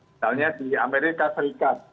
misalnya di amerika serikat